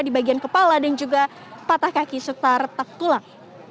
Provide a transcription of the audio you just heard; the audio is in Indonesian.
di bagian kepala dan juga patah kaki serta retak tulang